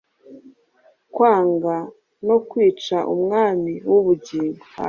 kwanga no kwica Umwami w’ubugingo;